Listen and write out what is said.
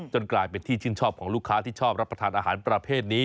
กลายเป็นที่ชื่นชอบของลูกค้าที่ชอบรับประทานอาหารประเภทนี้